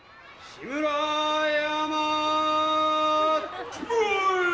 志村山。